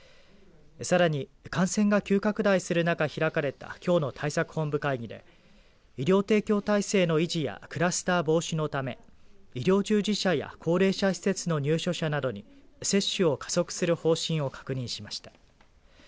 さらに感染が急拡大する中開かれたきょうの対策本部会議で医療提供体制の維持やクラスター防止のため医療従事者や高齢者施設の入所者などに接種を加速する方針を確認しました。